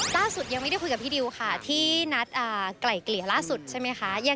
ล่าสุดยังไม่ได้คุยกับพี่ดิวค่ะที่นัดไกล่เกลี่ยล่าสุดใช่ไหมคะ